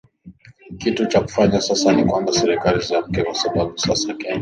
kitu cha kufanya sasa ni kwamba serikali ziamke kwa sababu sasa kenya